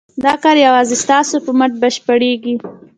دا کار یوازې ستاسو په مټ بشپړېږي.